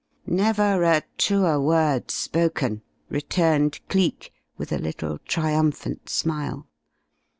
"Never a truer word spoken," returned Cleek, with a little triumphant smile.